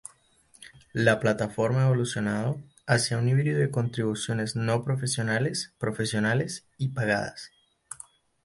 La plataforma ha evolucionado hacia un híbrido de contribuciones no profesionales, profesionales y pagadas.